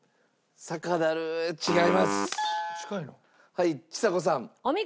はいちさ子さん。